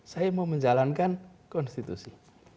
saya mau menjalankan konstitusi